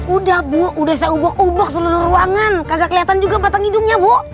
udah bu udah saya ubah ubah seluruh ruangan kagak kelihatan juga batang hidungnya bu